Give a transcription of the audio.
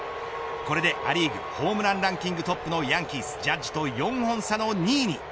これでア・リーグホームランランキングトップのヤンキースジャッジと４本差の２位に。